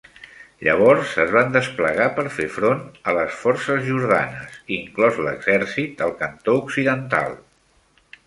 Llavors, es van desplegar per fer front a les forces jordanes, inclòs l"exercit, al cantó occidental.